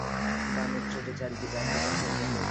বাণের চোটে চারিদিক অন্ধকার হয়ে গেল!